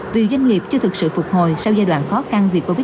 vì doanh nghiệp chưa thực sự phục hồi sau giai đoạn khó khăn vì covid một mươi chín